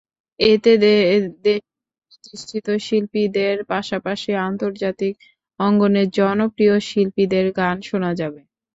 এতে দেশের প্রতিষ্ঠিত শিল্পীদের পাশাপাশি আন্তর্জাতিক অঙ্গনের জনপ্রিয় শিল্পীদের গান শোনা যাবে।